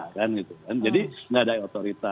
jadi tidak ada otorita